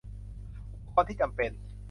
อุปกรณ์ที่จำเป็น